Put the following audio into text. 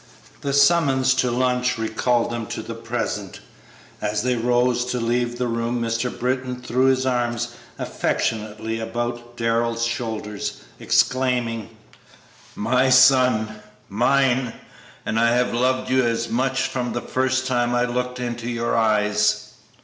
The summons to lunch recalled them to the present. As they rose to leave the room Mr. Britton threw his arm affectionately about Darrell's shoulders, exclaiming, "My son! Mine! and I have loved you as such from the first time I looked into your eyes!